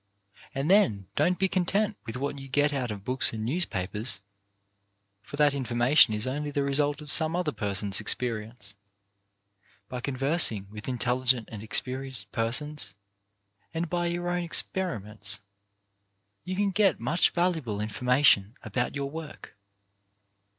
And then don't be content with what you get out of books and newspapers, for that information is only the result of some other person's experience. By conversing with intelligent and experienced persons, and by your own experiments, you can get much valuable in formation about your work.